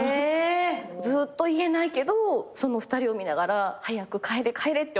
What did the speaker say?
ずっと言えないけどその２人を見ながら早く帰れ帰れって思いながら。